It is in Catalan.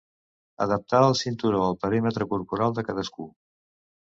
Adaptar el cinturó al perímetre corporal de cadascú.